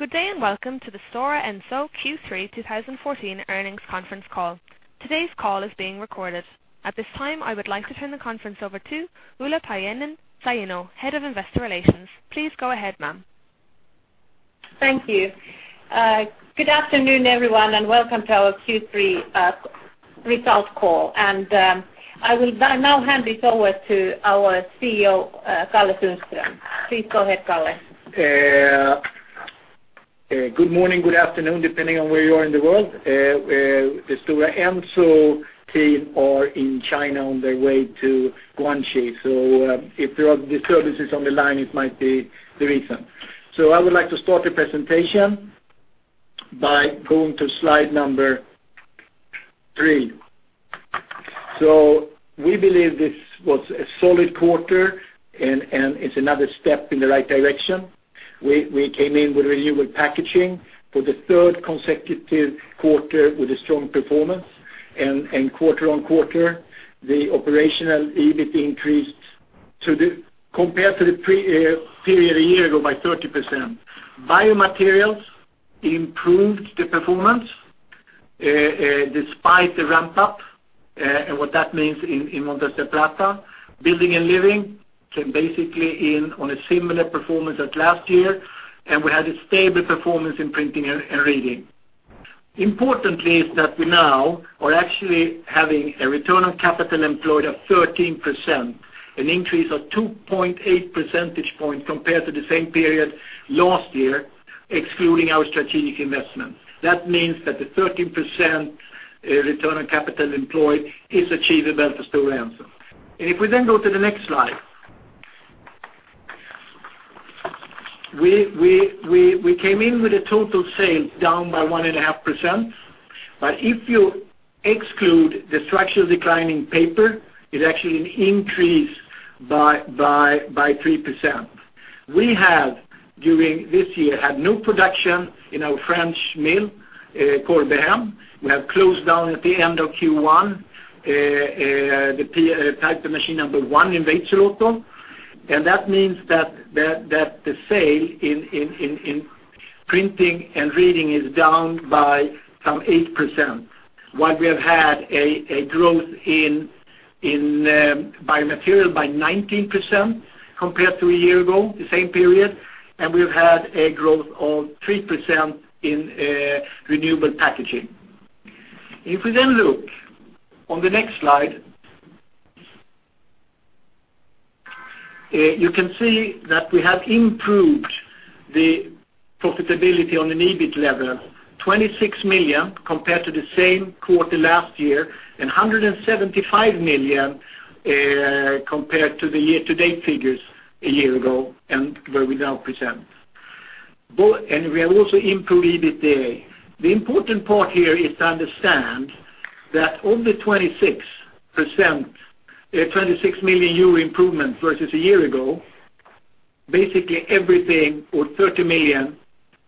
Good day, welcome to the Stora Enso Q3 2014 earnings conference call. Today's call is being recorded. At this time, I would like to turn the conference over to Ulla Paajanen-Sainio, Head of Investor Relations. Please go ahead, ma'am. Thank you. Good afternoon, everyone, welcome to our Q3 results call. I will now hand it over to our CEO, Karl-Henrik Sundström. Please go ahead, Kalle. Good morning, good afternoon, depending on where you are in the world. The Stora Enso team are in China on their way to Guangxi. If there are disturbances on the line, it might be the reason. I would like to start the presentation by going to slide number three. We believe this was a solid quarter, and it's another step in the right direction. We came in with Renewable Packaging for the third consecutive quarter with a strong performance. Quarter on quarter, the operational EBIT increased compared to the period a year ago by 30%. Biomaterials improved the performance despite the ramp-up, and what that means in Montes del Plata. Building and Living came basically in on a similar performance as last year, and we had a stable performance in Printing and Reading. Important is that we now are actually having a return on capital employed of 13%, an increase of 2.8 percentage points compared to the same period last year, excluding our strategic investment. That means that the 13% return on capital employed is achievable for Stora Enso. If we then go to the next slide. We came in with the total sales down by 1.5%, but if you exclude the structural decline in Paper, it's actually an increase by 3%. We have during this year had no production in our French mill, Corbehem. We have closed down at the end of Q1 the paper machine number 1 in Veitsiluoto, that means that the sale in Printing and Reading is down by some 8%, while we have had a growth in Biomaterials by 19% compared to a year ago, the same period, we've had a growth of 3% in Renewable Packaging. We then look on the next slide, you can see that we have improved the profitability on an EBIT level, 26 million compared to the same quarter last year, 175 million compared to the year-to-date figures a year ago and where we now present. We have also improved EBITDA. The important part here is to understand that of the 26 million euro improvement versus a year ago, basically everything or 30 million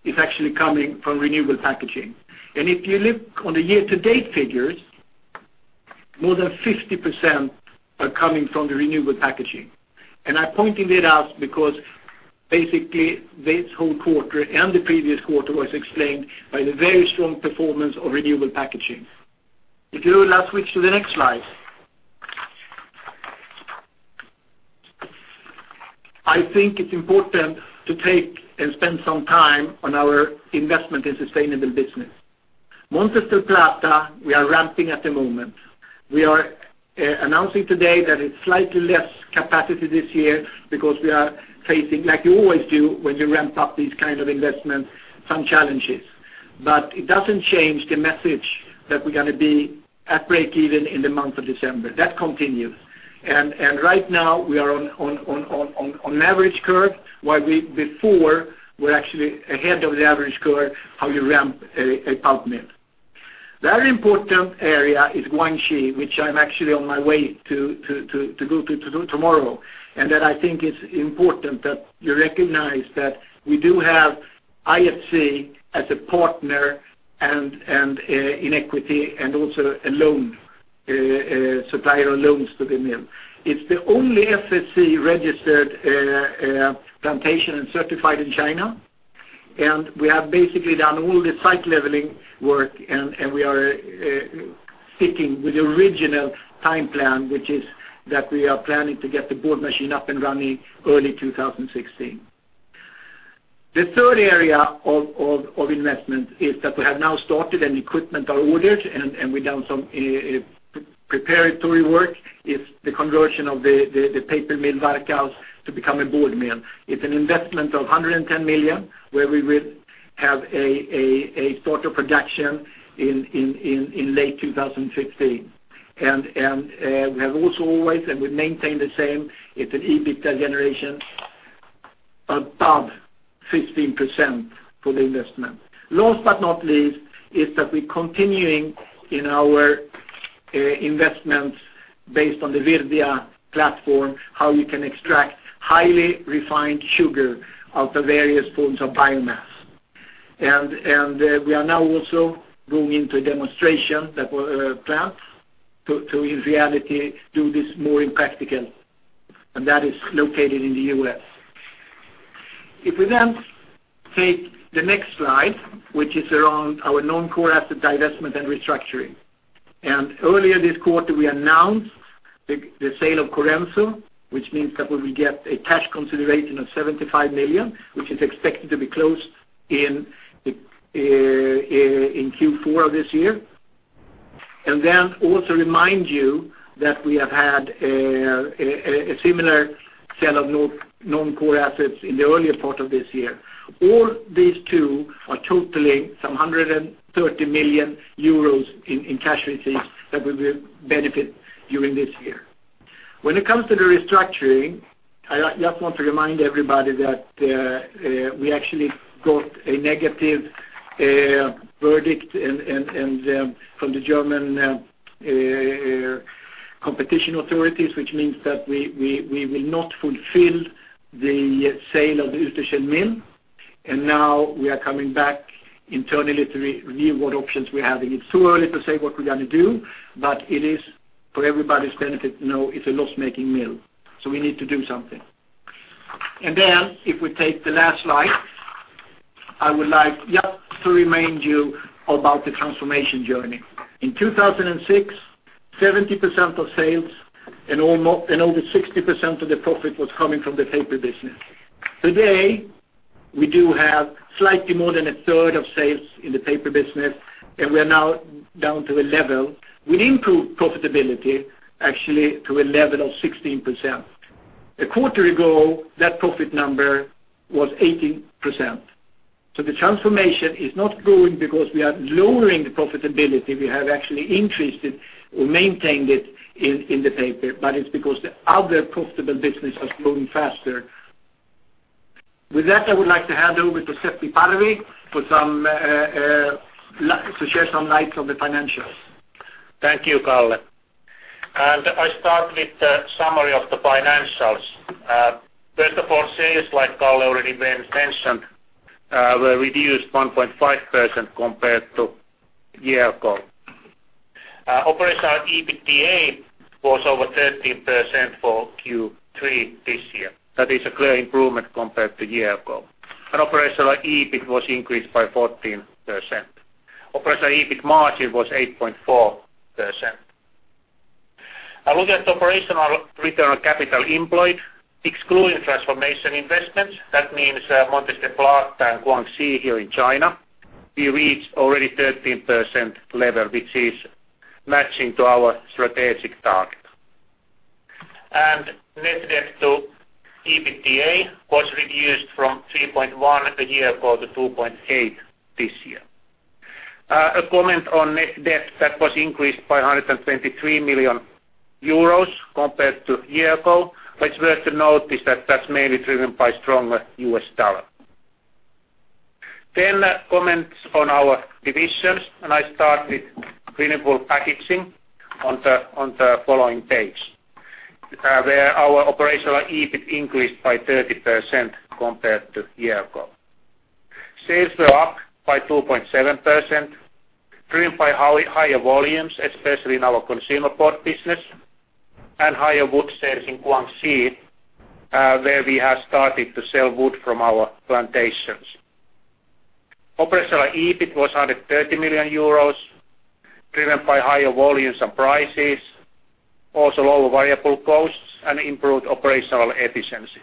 is actually coming from Renewable Packaging. If you look on the year-to-date figures, more than 50% are coming from the Renewable Packaging. I'm pointing it out because basically this whole quarter and the previous quarter was explained by the very strong performance of Renewable Packaging. You will now switch to the next slide. I think it's important to take and spend some time on our investment in sustainable business. Montes del Plata, we are ramping at the moment. We are announcing today that it's slightly less capacity this year because we are facing, like you always do when you ramp up these kind of investments, some challenges. It doesn't change the message that we're going to be at break even in the month of December. That continues. Right now, we are on average curve, while before we're actually ahead of the average curve, how you ramp a pulp mill. Very important area is Guangxi, which I'm actually on my way to go to tomorrow. That I think is important that you recognize that we do have IFC as a partner and in equity, also a supplier of loans to the mill. It's the only FSC-registered plantation and certified in China, we have basically done all the site leveling work, we are sticking with the original time plan, which is that we are planning to get the board machine up and running early 2016. The third area of investment is that we have now started, equipment are ordered, we've done some preparatory work, is the conversion of the paper mill Varkaus to become a board mill. It's an investment of 110 million, where we will have a start of production in late 2016. We have also always, we maintain the same, it's an EBITDA generation above 15% for the investment. Last but not least, is that we're continuing in our investments based on the Virdia platform, how you can extract highly refined sugar out of various forms of biomass. We are now also going into a demonstration plant to, in reality, do this more in practical. That is located in the U.S. We then take the next slide, which is around our non-core asset divestment and restructuring. Earlier this quarter, we announced the sale of Corenso, which means that we will get a cash consideration of 75 million, which is expected to be closed in Q4 of this year. Then also remind you that we have had a similar sale of non-core assets in the earlier part of this year. All these two are totaling some 130 million euros in cash receipts that we will benefit during this year. When it comes to the restructuring, I just want to remind everybody that we actually got a negative verdict from the German competition authorities, which means that we will not fulfill the sale of the Uetersen Mill, now we are coming back internally to review what options we have. It is too early to say what we are going to do, but it is for everybody's benefit to know it is a loss-making mill, we need to do something. If we take the last slide, I would like just to remind you about the transformation journey. In 2006, 70% of sales and over 60% of the profit was coming from the paper business. Today, we do have slightly more than a third of sales in the paper business, we are now down to a level with improved profitability, actually to a level of 16%. A quarter ago, that profit number was 18%. The transformation is not going because we are lowering the profitability. We have actually increased it or maintained it in the paper, it is because the other profitable business has grown faster. With that, I would like to hand over to Seppo Parvi to share some light on the financials. Thank you, Kalle. I start with the summary of the financials. First of all, sales, like Kalle already mentioned, were reduced 1.5% compared to a year ago. Operational EBITDA was over 13% for Q3 this year. That is a clear improvement compared to a year ago. Operational EBIT was increased by 14%. Operational EBIT margin was 8.4%. A look at operational return on capital employed, excluding transformation investments, that means Montes del Plata and Guangxi here in China, we reached already 13% level, which is matching to our strategic target. Net debt to EBITDA was reduced from 3.1 a year ago to 2.8 this year. A comment on net debt that was increased by 123 million euros compared to a year ago, but it is worth to notice that that is mainly driven by stronger US dollar. Comments on our divisions, I start with Renewable Packaging on the following page, where our operational EBIT increased by 30% compared to a year ago. Sales were up by 2.7%, driven by higher volumes, especially in our consumer board business and higher wood sales in Guangxi, where we have started to sell wood from our plantations. Operational EBIT was 130 million euros, driven by higher volumes and prices, also lower variable costs and improved operational efficiency.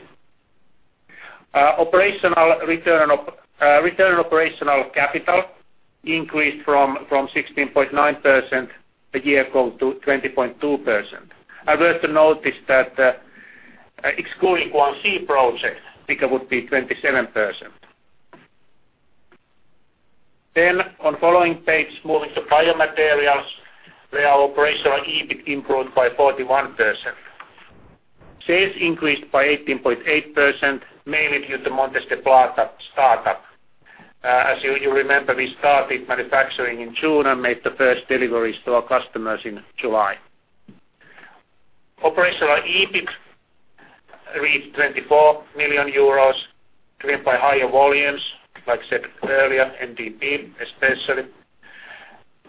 Return on operational capital increased from 16.9% a year ago to 20.2%. I would like to notice that excluding Guangxi project, I think it would be 27%. On following page, moving to Biomaterials, where our operational EBIT improved by 41%. Sales increased by 18.8%, mainly due to Montes del Plata start-up. As you remember, we started manufacturing in June and made the first deliveries to our customers in July. Operational EBIT reached 24 million euros, driven by higher volumes, like I said earlier, MDP especially.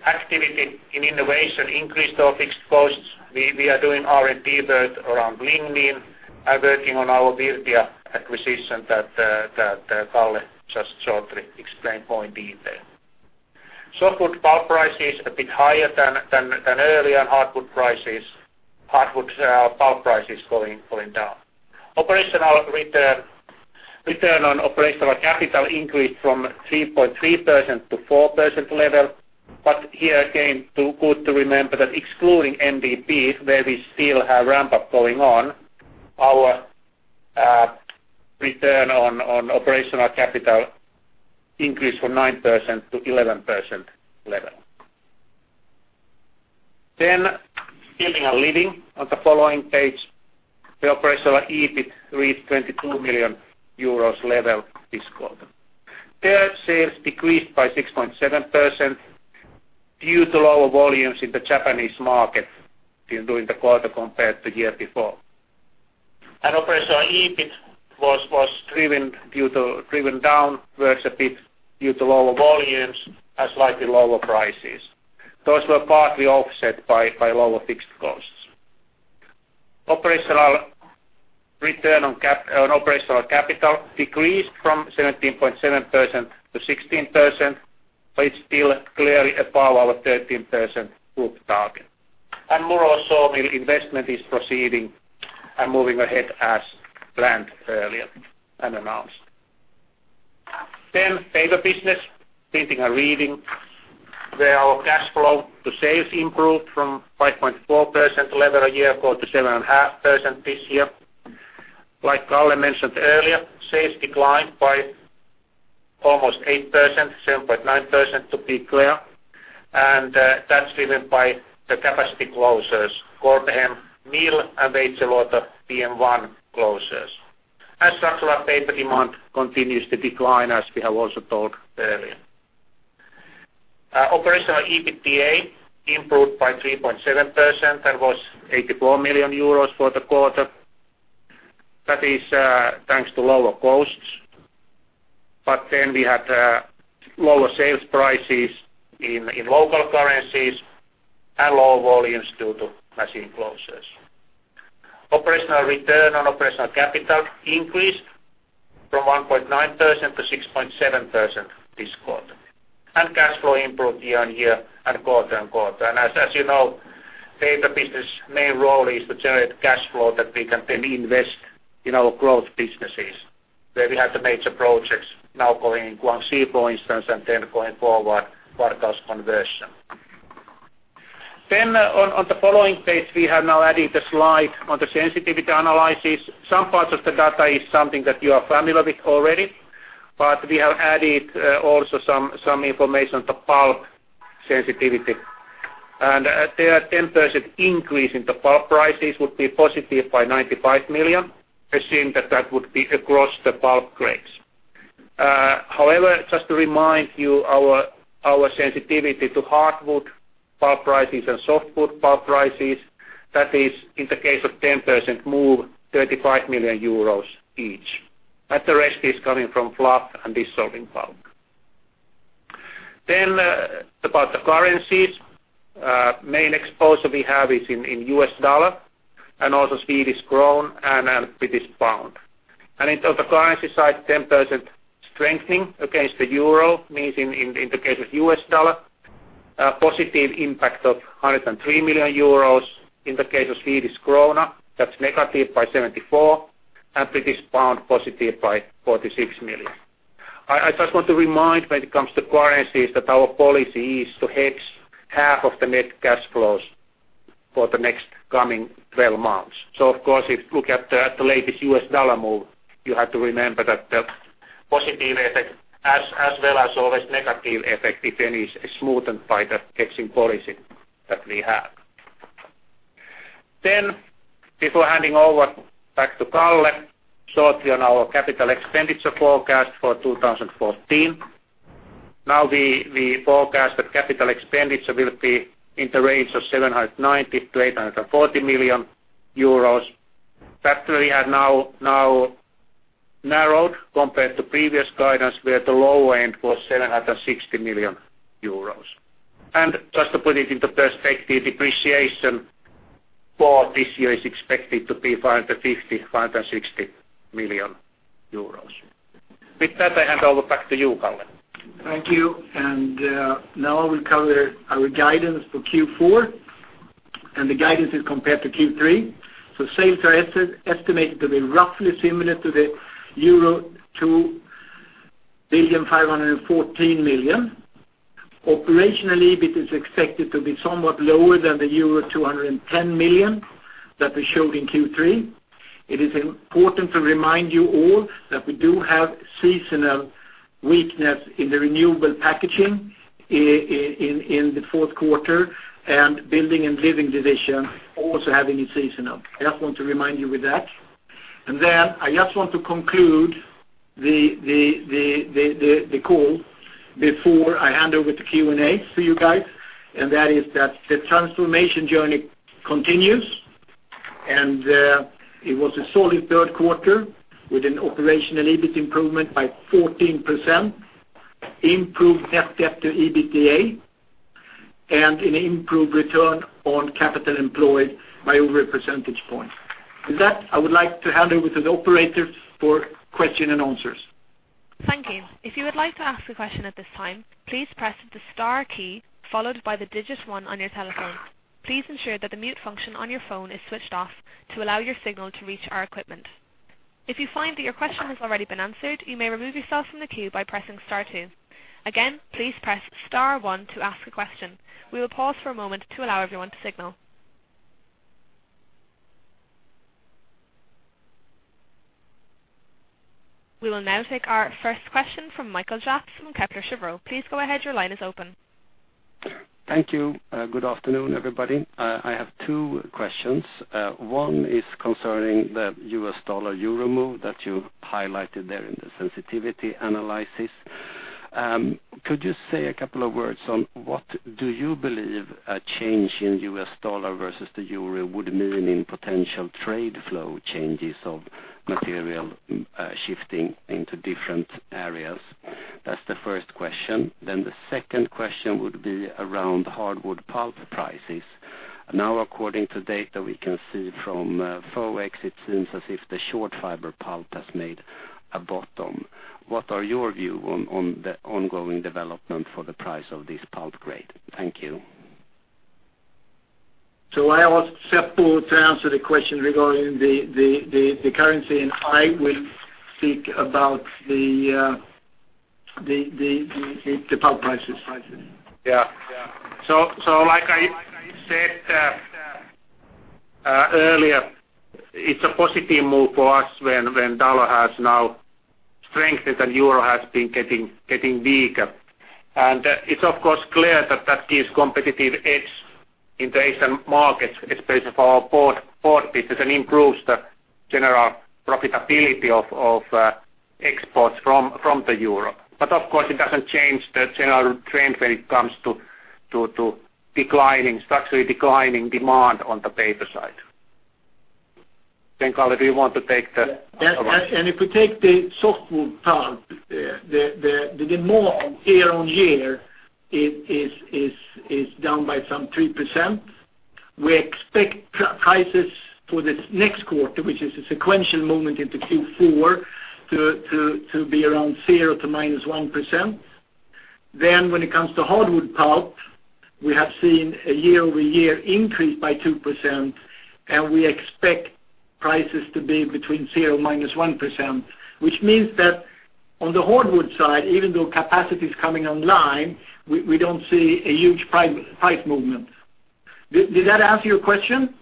Activity in innovation increased our fixed costs. We are doing R&D work around Lignin and working on our Virdia acquisition that Kalle just shortly explained more in detail. Softwood pulp price is a bit higher than earlier, hardwood pulp price is going down. Return on operational capital increased from 3.3% to 4% level. Here again, good to remember that excluding MDP, where we still have ramp-up going on, our return on operational capital increased from 9% to 11% level. Building and Living on the following page. The operational EBIT reached 22 million euros level this quarter. There, sales decreased by 6.7% due to lower volumes in the Japanese market during the quarter compared to year before. Operational EBIT was driven down versus a bit due to lower volumes and slightly lower prices. Those were partly offset by lower fixed costs. Operational return on operational capital decreased from 17.7% to 16%, but it's still clearly above our 13% group target. Murow sawmill investment is proceeding and moving ahead as planned earlier and announced. Paper Business, Building and Living. Their cash flow to sales improved from 5.4% level a year ago to 7.5% this year. Like Kalle mentioned earlier, sales declined by almost 8%, 7.9%, to be clear, and that's driven by the capacity closures. Corbehem mill and Veitsiluoto PM1 closures. As structural paper demand continues to decline, as we have also told earlier. Operational EBITDA improved by 3.7%. That was 84 million euros for the quarter. We had lower sales prices in local currencies and lower volumes due to machine closures. Operational return on operational capital increased from 1.9% to 6.7% this quarter. Cash flow improved year-over-year and quarter-over-quarter. As you know, Paper Business' main role is to generate cash flow that we can then invest in our growth businesses, where we have the major projects now going in Guangxi, for instance, and then going forward, Varkaus conversion. On the following page, we have now added the slide on the sensitivity analysis. Some parts of the data is something that you are familiar with already, but we have added also some information to pulp sensitivity. There are 10% increase in the pulp prices would be positive by 95 million, assuming that that would be across the pulp grades. However, just to remind you, our sensitivity to hardwood pulp prices and softwood pulp prices, that is in the case of 10% move, 35 million euros each. The rest is coming from fluff pulp and dissolving pulp. About the currencies. Main exposure we have is in U.S. dollar and also Swedish krona and British pound. Of the currency side, 10% strengthening against the EUR means in the case of U.S. dollar, a positive impact of 103 million euros. In the case of Swedish krona, that's negative by 74 and British pound positive by 46 million. I just want to remind when it comes to currencies, that our policy is to hedge half of the net cash flows for the next coming 12 months. Of course, if you look at the latest U.S. dollar move, you have to remember that the positive effect as well as always negative effect, if any, is smoothened by the hedging policy that we have. Before handing over back to Kalle, shortly on our capital expenditure forecast for 2014. We forecast that capital expenditure will be in the range of 790 million-840 million euros. That we have now narrowed compared to previous guidance, where the low end was 760 million euros. Just to put it into perspective, depreciation for this year is expected to be 550 million-560 million euros. With that, I hand over back to you, Kalle. Thank you. Now I will cover our guidance for Q4, and the guidance is compared to Q3. Sales are estimated to be roughly similar to euro 2,514 million. Operationally, EBIT is expected to be somewhat lower than euro 210 million that we showed in Q3. It is important to remind you all that we do have seasonal weakness in the Renewable Packaging in the fourth quarter, and Building and Living division also having it seasonal. I just want to remind you with that. I just want to conclude the call before I hand over the Q&A to you guys, and that is that the transformation journey continues, and it was a solid third quarter with an operational EBIT improvement by 14%, improved EBITDA, and an improved return on capital employed by over a percentage point. With that, I would like to hand over to the operator for question and answers. Thank you. If you would like to ask a question at this time, please press the star key followed by the digit one on your telephone. Please ensure that the mute function on your phone is switched off to allow your signal to reach our equipment. If you find that your question has already been answered, you may remove yourself from the queue by pressing star two. Again, please press star one to ask a question. We will pause for a moment to allow everyone to signal. We will now take our first question from Mikael Jafs from Kepler Cheuvreux. Please go ahead. Your line is open. Thank you. Good afternoon, everybody. I have two questions. One is concerning the U.S. dollar-euro move that you highlighted there in the sensitivity analysis. Could you say a couple of words on what do you believe a change in U.S. dollar versus the euro would mean in potential trade flow changes of material shifting into different areas? That's the first question. The second question would be around hardwood pulp prices. According to data we can see from FOEX, it seems as if the short fiber pulp has made a bottom. What are your view on the ongoing development for the price of this pulp grade? Thank you. I ask Seppo to answer the question regarding the currency, and I will speak about the pulp prices. Like I said earlier, it's a positive move for us when U.S. dollar has now strengthened, and EUR has been getting weaker. It's of course clear that gives competitive edge in the Asian markets, especially for our pulp business, and improves the general profitability of exports from Europe. Of course, it doesn't change the general trend when it comes to structurally declining demand on the paper side. Kalle, do you want to take that? If we take the softwood pulp, the demand year-on-year is down by some 3%. We expect prices for this next quarter, which is a sequential movement into Q4, to be around 0% to -1%. When it comes to hardwood pulp, we have seen a year-over-year increase by 2%, and we expect prices to be between 0% to -1%, which means that on the hardwood side, even though capacity is coming online, we don't see a huge price movement. Did that answer your question?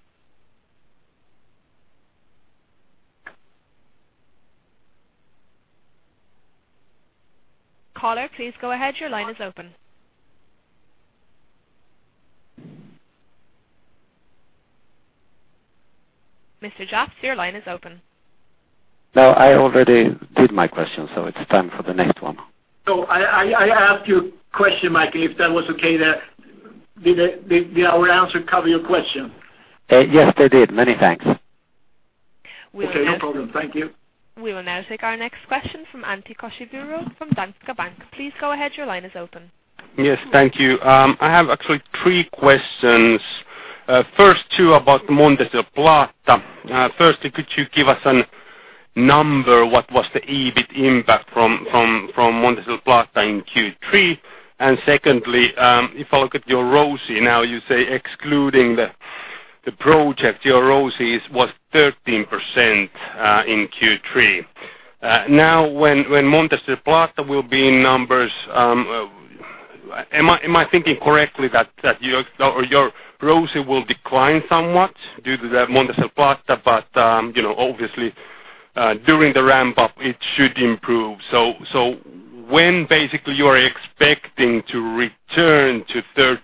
Caller, please go ahead. Your line is open. Mr. Jafs, your line is open. No, I already did my question, so it's time for the next one. I asked you a question, Mike, if that was okay there. Did our answer cover your question? Yes, it did. Many thanks. Okay, no problem. Thank you. We will now take our next question from Antti Koskivuori of Danske Bank. Please go ahead, your line is open. Yes, thank you. I have actually three questions. First two about Montes del Plata. Firstly, could you give us a number, what was the EBIT impact from Montes del Plata in Q3? Secondly, if I look at your ROCE now, you say excluding the project, your ROCE was 13% in Q3. When Montes del Plata will be in numbers, am I thinking correctly that your ROCE will decline somewhat due to the Montes del Plata, but obviously during the ramp-up it should improve. When basically you are expecting to return to 13%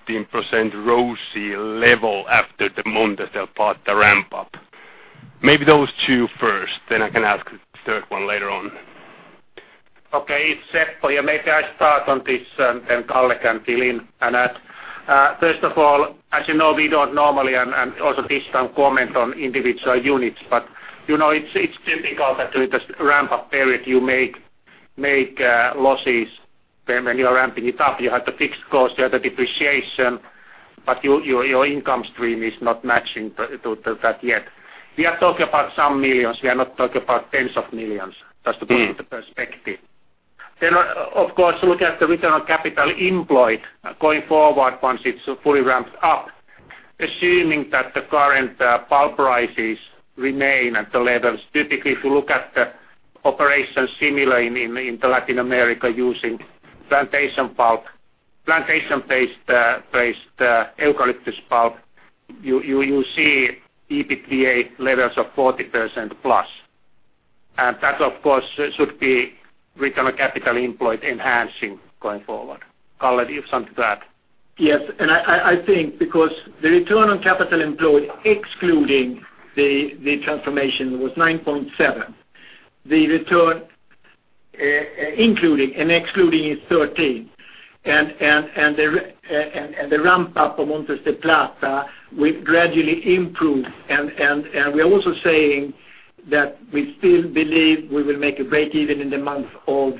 ROCE level after the Montes del Plata ramp-up? Maybe those two first, I can ask the third one later on. Okay. It's Seppo here. I start on this, Kalle can fill in and add. First of all, as you know, we don't normally and also this time comment on individual units. But it's typical that during the ramp-up period you make losses when you are ramping it up. You have the fixed cost, you have the depreciation, but your income stream is not matching to that yet. We are talking about some millions. We are not talking about tens of millions, just to put it into perspective. Of course, look at the return on capital employed going forward once it's fully ramped up, assuming that the current pulp prices remain at the levels. Typically, if you look at the operations similar in the Latin America using plantation-based eucalyptus pulp, you see EBITDA levels of 40% plus. That of course should be return on capital employed enhancing going forward. Kalle, do you have something to add? Yes. I think because the return on capital employed excluding the transformation was 9.7%. The return including and excluding is 13. The ramp-up of Montes del Plata will gradually improve, we are also saying that we still believe we will make a break even in the month of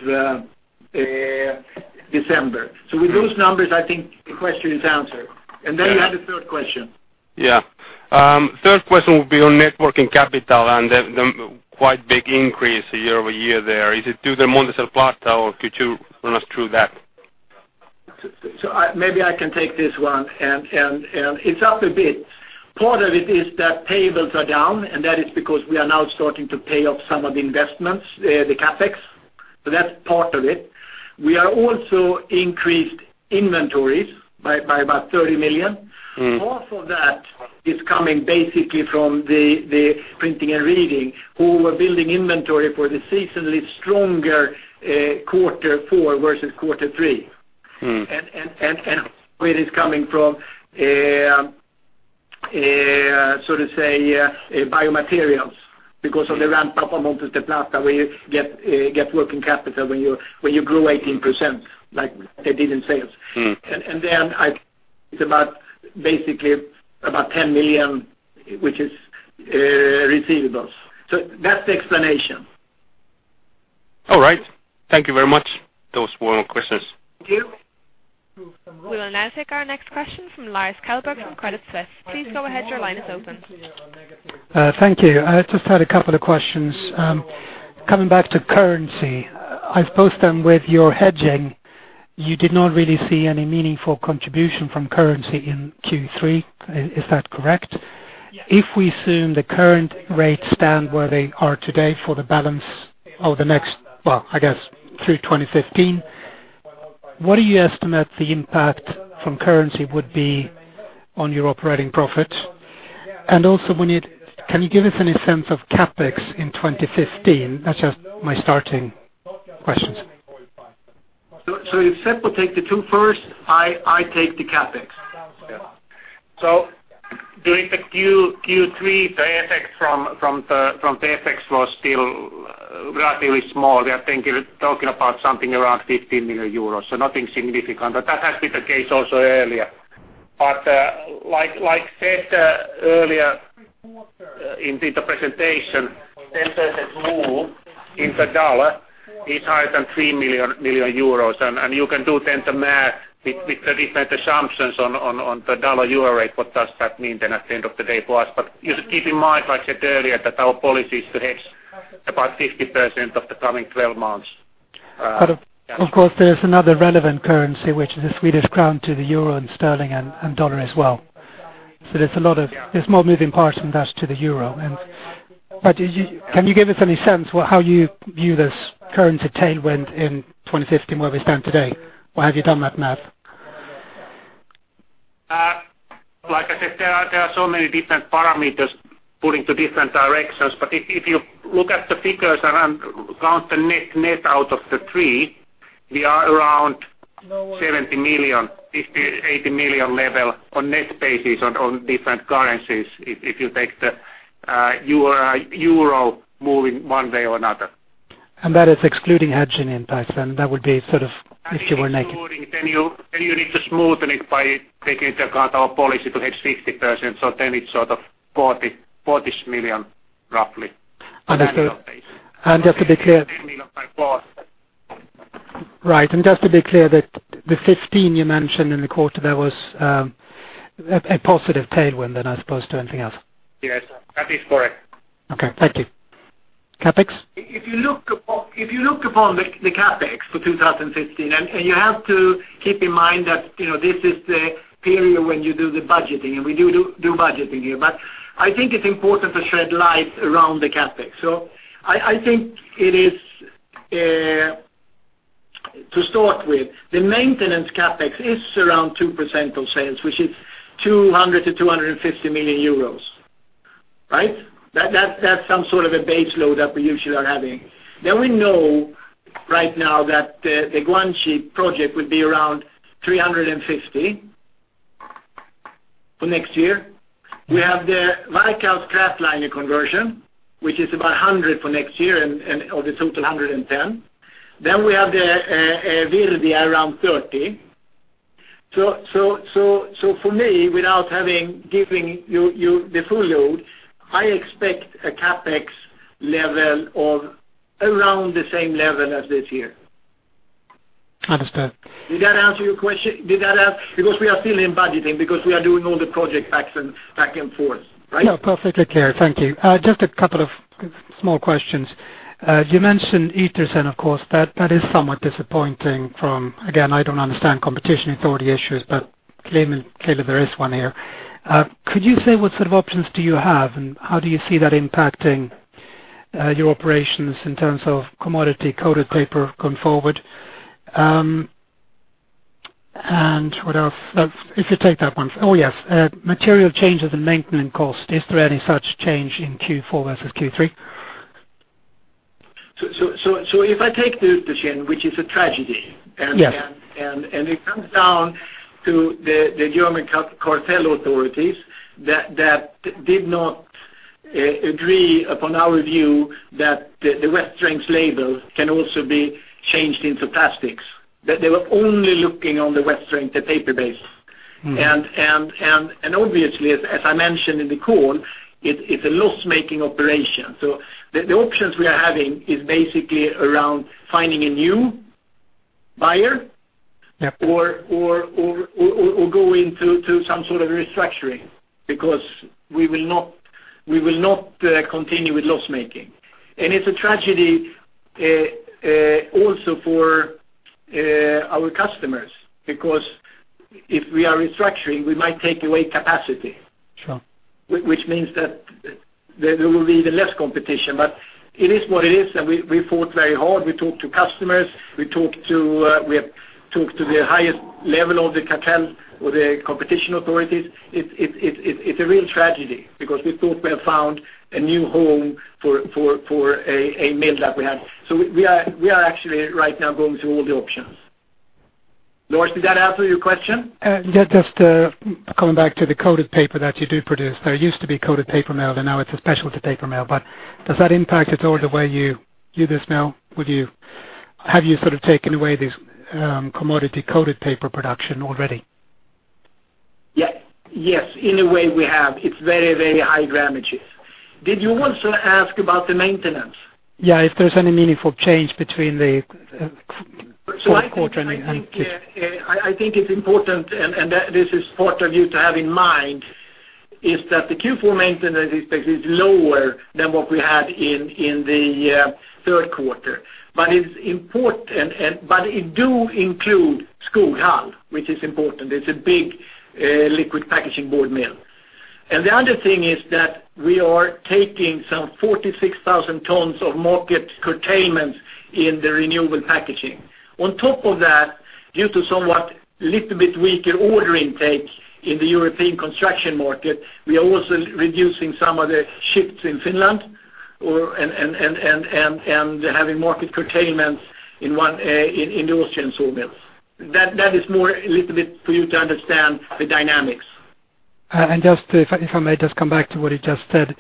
December. With those numbers, I think the question is answered. Then you had a third question. Third question will be on net working capital and the quite big increase year-over-year there. Is it due to Montes del Plata, or could you run us through that? Maybe I can take this one, it is up a bit. Part of it is that payables are down, that is because we are now starting to pay off some of the investments, the CapEx. That is part of it. We are also increased inventories by about 30 million. Half of that is coming basically from the Printing and Reading, who were building inventory for the seasonally stronger quarter four versus quarter three. Where it is coming from, so to say, Biomaterials because of the ramp-up of Montes del Plata where you get working capital when you grew 18% like they did in sales. It is about basically about 10 million, which is receivables. That is the explanation. All right. Thank you very much. Those were my questions. Thank you. We will now take our next question from Lars Kjellberg from Credit Suisse. Please go ahead. Your line is open. Thank you. I just had a couple of questions. Coming back to currency, I suppose then with your hedging, you did not really see any meaningful contribution from currency in Q3. Is that correct? Yes. If we assume the current rates stand where they are today for the balance of the next, well, I guess through 2015, what do you estimate the impact from currency would be on your operating profit? Also, can you give us any sense of CapEx in 2015? That's just my starting questions. If Seppo will take the two first, I take the CapEx. Yeah. During the Q3, the effect from the FX was still relatively small. We are talking about something around 15 million euros, so nothing significant. That has been the case also earlier. Like said earlier in the presentation, the move in the dollar is higher than 3 million euros. You can do then the math with the different assumptions on the dollar-euro rate, what does that mean then at the end of the day for us? You should keep in mind, like I said earlier, that our policy is to hedge about 50% of the coming 12 months. Of course, there's another relevant currency, which is the Swedish krona to the euro and sterling and dollar as well. There's more moving parts than that to the euro. Can you give us any sense how you view this currency tailwind in 2015, where we stand today, or have you done that math? Like I said, there are so many different parameters pulling to different directions. If you look at the figures and count the net out of the 3, we are around 70 million, 50, 80 million level on net basis on different currencies, if you take the EUR moving one way or another. That is excluding hedging impacts, and that would be sort of if you were naked. Excluding, then you need to smoothen it by taking into account our policy to hedge 50%, so then it's sort of 40-ish million roughly. Understood. Just to be clear. million by four. Right. Just to be clear that the 15 you mentioned in the quarter, that was a positive tailwind then, as opposed to anything else. Yes. That is correct. Okay. Thank you. CapEx? If you look upon the CapEx for 2015, and you have to keep in mind that this is the period when you do the budgeting, and we do budgeting here. I think it's important to shed light around the CapEx. I think it is, to start with, the maintenance CapEx is around 2% of sales, which is 200 million to 250 million euros. Right? That's some sort of a base load that we usually are having. We know right now that the Guangxi project would be around 350 million for next year. We have the Varkaus kraftliner conversion, which is about 100 million for next year, and of the total, 110 million. We have the Virkkala around EUR 30 million. For me, without giving you the full load, I expect a CapEx level of around the same level as this year. Understood. Did that answer your question? Because we are still in budgeting, because we are doing all the project backs and back and forth, right? No, perfectly clear. Thank you. Just a couple of small questions. You mentioned Uetersen, of course, that is somewhat disappointing from, again, I don't understand competition authority issues, but clearly there is one here. Could you say what sort of options do you have, and how do you see that impacting your operations in terms of commodity coated paper going forward? What else? If you take that one. Oh, yes. Material change of the maintenance cost. Is there any such change in Q4 versus Q3? If I take Uetersen, which is a tragedy. Yes It comes down to the German cartel authorities that did not agree upon our view that the wet-strength label can also be changed into plastics. They were only looking on the wet strength, the paper-based. Obviously, as I mentioned in the call, it's a loss-making operation. The options we are having is basically around finding a new buyer. Yeah Or go into some sort of restructuring, because we will not continue with loss-making. It's a tragedy also for our customers, because if we are restructuring, we might take away capacity. Sure. Which means that there will be even less competition, but it is what it is, and we fought very hard. We talked to customers, we have talked to the highest level of the cartel or the competition authorities. It's a real tragedy because we thought we have found a new home for a mill that we have. We are actually right now going through all the options. Lars, did that answer your question? Just coming back to the coated paper that you do produce. There used to be coated paper mill, but now it's a specialty paper mill. Does that impact at all the way you do this mill with you? Have you taken away this commodity coated paper production already? Yes. In a way we have. It's very high damages. Did you want to ask about the maintenance? If there's any meaningful change between the fourth quarter and- I think it's important, and this is part of you to have in mind, is that the Q4 maintenance expense is lower than what we had in the third quarter. It do include Skoghall, which is important. It's a big liquid packaging board mill. The other thing is that we are taking some 46,000 tons of market curtailment in the Renewable Packaging. On top of that, due to somewhat little bit weaker order intake in the European construction market, we are also reducing some of the shifts in Finland and having market curtailments in the Austrian sawmills. That is more a little bit for you to understand the dynamics. If I may just come back to what you just said,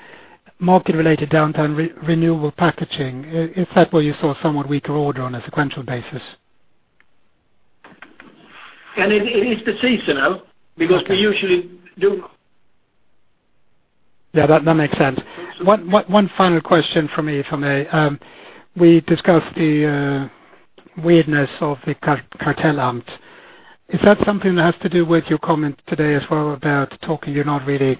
market-related downtime Renewable Packaging, is that where you saw somewhat weaker order on a sequential basis? It is seasonal because we usually. Yeah, that makes sense. One final question from me. We discussed the weirdness of the cartel hunt. Is that something that has to do with your comment today as well about talking you're not really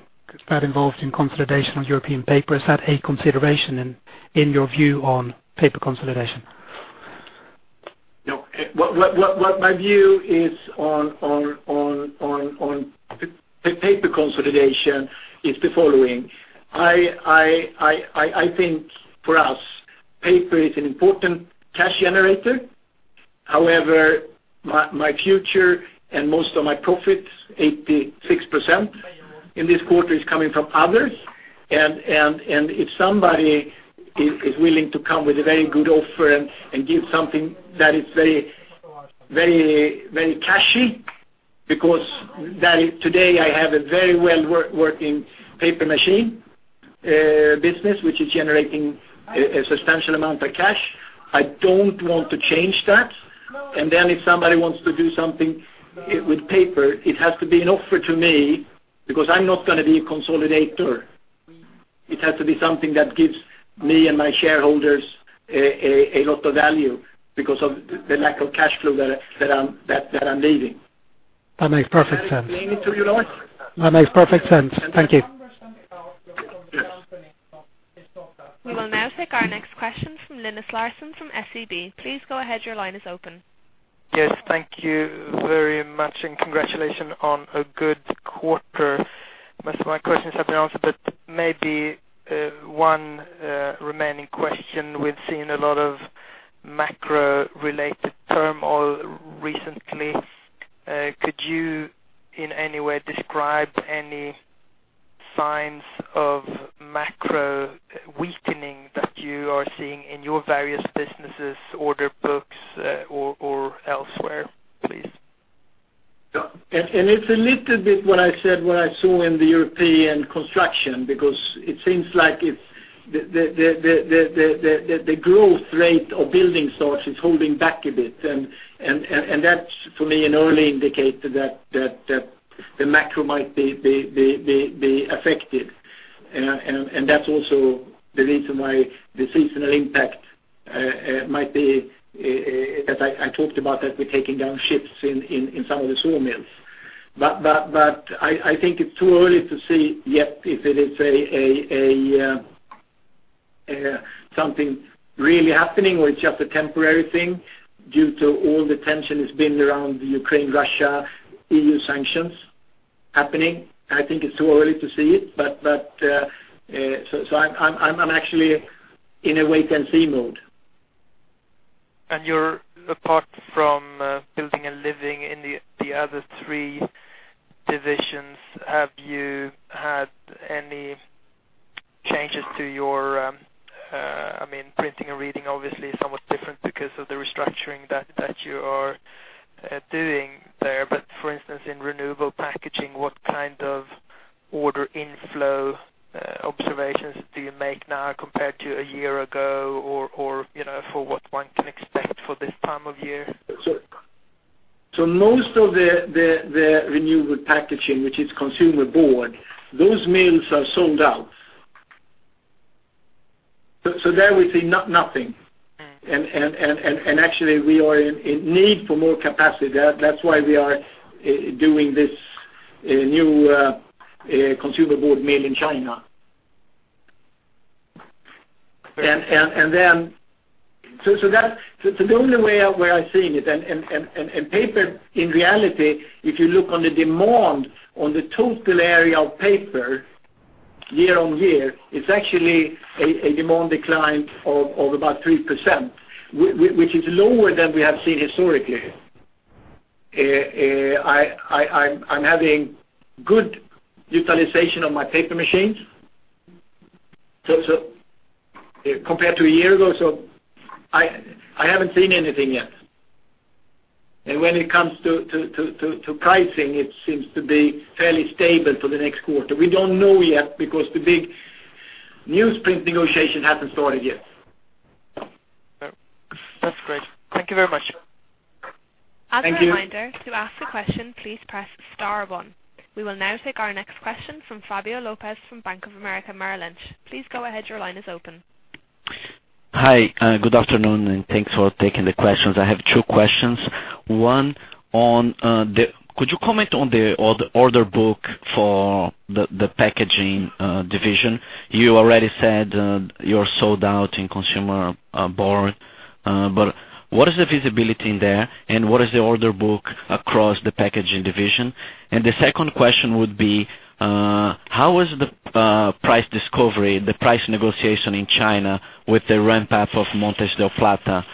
that involved in consolidation of European Paper? Is that a consideration in your view on Paper consolidation? No. What my view is on Paper consolidation is the following. I think for us, Paper is an important cash generator. However, my future and most of my profits, 86% in this quarter, is coming from others. If somebody is willing to come with a very good offer and give something that is very cashy, because today I have a very well-working paper machine business which is generating a substantial amount of cash. I don't want to change that. If somebody wants to do something with Paper, it has to be an offer to me because I'm not going to be a consolidator. It has to be something that gives me and my shareholders a lot of value because of the lack of cash flow that I'm leaving. That makes perfect sense. Did that explain it to you, Lars? That makes perfect sense. Thank you. We will now take our next question from Linus Larsson from SEB. Please go ahead. Your line is open. Yes, thank you very much, and congratulations on a good quarter. Most of my questions have been answered. Maybe one remaining question. We've seen a lot of macro-related turmoil recently. Could you in any way describe any signs of macro weakening that you are seeing in your various businesses, order books or elsewhere, please? It's a little bit what I said, what I saw in the European construction, because it seems like the growth rate of building starts is holding back a bit. That's for me an early indicator that the macro might be affected. That's also the reason why the seasonal impact might be, as I talked about, that we're taking down shifts in some of the sawmills. I think it's too early to say yet if it is something really happening or it's just a temporary thing due to all the tension that's been around the Ukraine-Russia EU sanctions happening. I think it's too early to see it. I'm actually in a wait-and-see mode. Apart from Building and Living in the other three divisions, have you had any changes to your-- Printing and Reading obviously is somewhat different because of the restructuring that you are doing there. For instance, in Renewable Packaging, what kind of order inflow observations do you make now compared to a year ago or for what one can expect for this time of year? Most of the Renewable Packaging, which is consumer board, those mills are sold out. There we see nothing. Actually, we are in need for more capacity. That's why we are doing this new consumer board mill in China. The only way I'm seeing it, and paper, in reality, if you look on the demand on the total area of paper year-over-year, it's actually a demand decline of about 3%, which is lower than we have seen historically. I'm having good utilization of my paper machines compared to a year ago, I haven't seen anything yet. When it comes to pricing, it seems to be fairly stable for the next quarter. We don't know yet because the big newsprint negotiation hasn't started yet. That's great. Thank you very much. Thank you. As a reminder, to ask a question, please press star one. We will now take our next question from Fabio Lopes from Bank of America Merrill Lynch. Please go ahead. Your line is open. Hi. Good afternoon, and thanks for taking the questions. I have two questions. One, could you comment on the order book for the packaging division? You already said you're sold out in consumer board. What is the visibility in there, and what is the order book across the packaging division? The second question would be, how was the price discovery, the price negotiation in China with the ramp-up of Montes del Plata?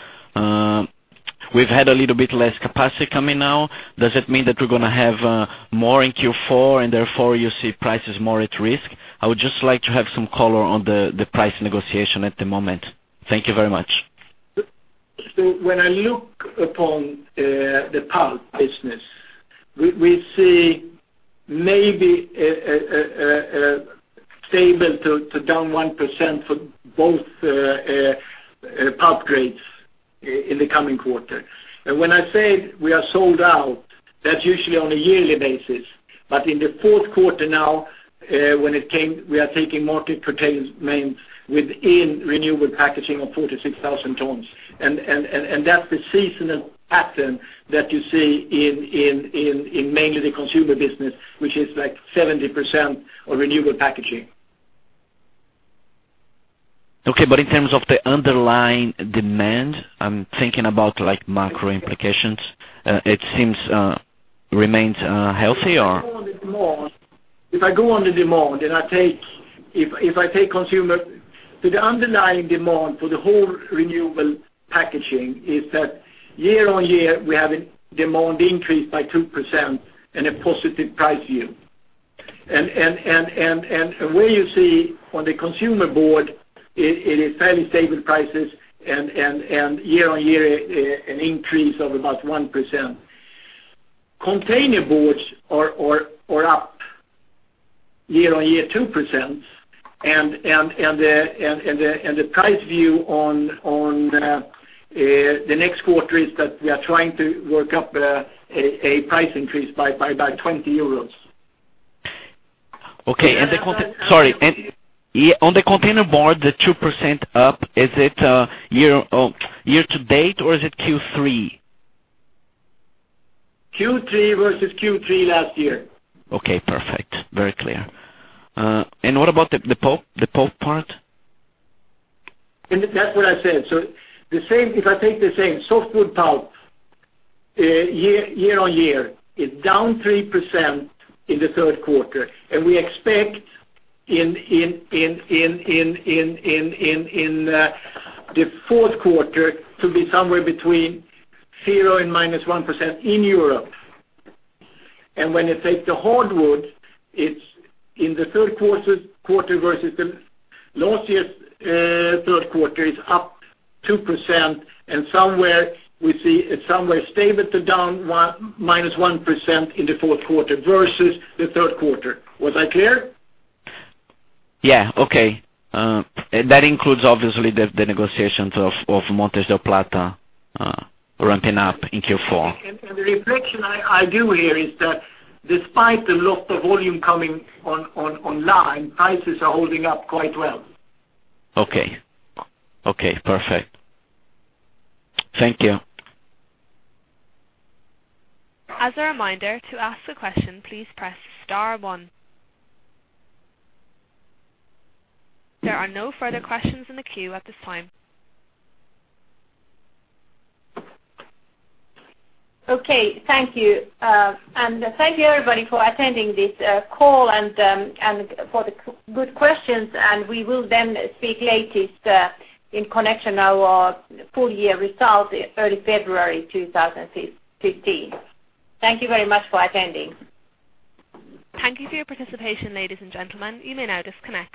We've had a little bit less capacity coming now. Does it mean that we're going to have more in Q4, and therefore, you see prices more at risk? I would just like to have some color on the price negotiation at the moment. Thank you very much. When I look upon the pulp business, we see maybe stable to down 1% for both pulp grades in the coming quarter. When I say we are sold out, that's usually on a yearly basis. In the fourth quarter now, we are taking market curtailments mainly within Renewable Packaging of 46,000 tons. That's the seasonal pattern that you see in mainly the consumer business, which is 70% of Renewable Packaging. Okay. In terms of the underlying demand, I'm thinking about macro implications. It seems, remains healthy or? If I go on the demand and if I take consumer, so the underlying demand for the whole Renewable Packaging is that year-on-year, we have a demand increase by 2% and a positive price view. Where you see on the consumer board, it is fairly stable prices and year-on-year, an increase of about 1%. Containerboards are up year-on-year 2%, and the price view on the next quarter is that we are trying to work up a price increase by about 20 euros. Okay. Sorry. On the containerboard, the 2% up, is it year to date, or is it Q3? Q3 versus Q3 last year. Okay, perfect. Very clear. What about the pulp part? That's what I said. If I take the same softwood pulp, year-on-year, it's down 3% in the third quarter, and we expect in the fourth quarter to be somewhere between 0 and -1% in Europe. When you take the hardwood, in the third quarter versus last year's third quarter, it's up 2%, and we see it somewhere stable to down -1% in the fourth quarter versus the third quarter. Was I clear? Yeah. Okay. That includes obviously the negotiations of Montes del Plata ramping up in Q4. The reflection I do here is that despite the lot of volume coming online, prices are holding up quite well. Okay. Perfect. Thank you. As a reminder, to ask a question, please press star one. There are no further questions in the queue at this time. Thank you. Thank you, everybody, for attending this call and for the good questions. We will then speak latest in connection to our full year results early February 2015. Thank you very much for attending. Thank you for your participation, ladies and gentlemen. You may now disconnect.